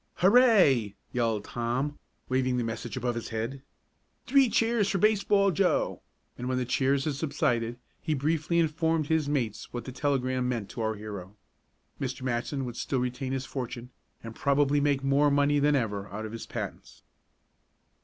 "Hurray!" yelled Tom, waving the message above his head. "Three cheers for Baseball Joe!" and, when the cheers had subsided he briefly informed his mates what the telegram meant to our hero. Mr. Matson would still retain his fortune, and probably make more money than ever out of his patents.